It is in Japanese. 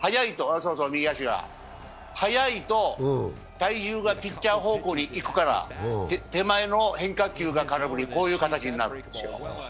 速いと体重がピッチャー方向にいくから手前の変化球が空振り、こういう形になるんですよ。